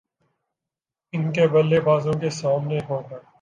ان کے بلے بازوں کے سامنے ہو گا